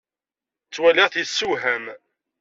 Ttwaliɣ-t yessewham.